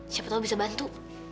siapa tau bisa bantu